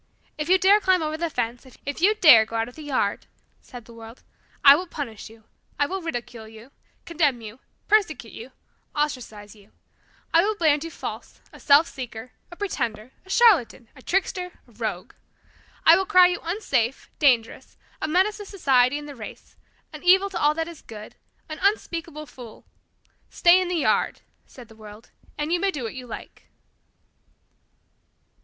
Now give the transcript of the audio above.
If you dare climb over the fence if you dare go out of the yard," said the world, "I will punish you I will ridicule you, condemn you, persecute you, ostracize you. I will brand you false, a self seeker, a pretender, a charlatan, a trickster, a rogue. I will cry you unsafe, dangerous, a menace to society and the race, an evil to all that is good, an unspeakable fool. Stay in the yard," said the world, "and you may do what you like."